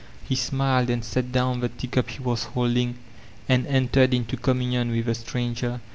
He smiled and set down the tea cup he was holding, and enteted into communion with the Stranger.